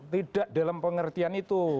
tidak dalam pengertian itu